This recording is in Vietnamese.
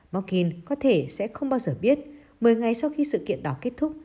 markin có thể sẽ không bao giờ biết một mươi ngày sau khi sự kiện đó kết thúc